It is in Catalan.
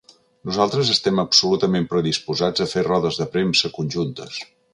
Nosaltres estem absolutament predisposats a fer rodes de premsa conjuntes.